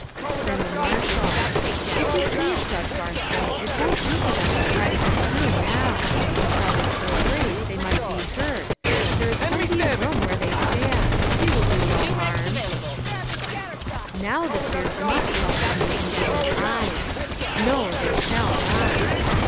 Then the marshal: "If you please, Judge Barstow, it won't do for them to try to get through now. The crowd is so great they might be hurt; there is plenty of room where they stand. They will do 710 harm." Now the tears must come from the indignant eyes. No, they shall not.